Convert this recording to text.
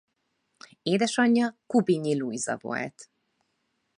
Édesanyja Kubinyi Lujza volt.